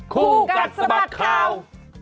ครูกัศบัตรข่าว